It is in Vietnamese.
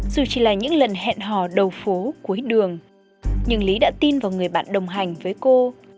dù chỉ là những lần hẹn hò đầu phố cuối đường nhưng lý đã tin vào người bạn đồng hành với cô